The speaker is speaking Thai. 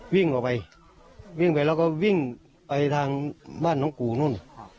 วิ่งออกไปวิ่งไปแล้วก็วิ่งไปทางบ้านน้องกูนู่น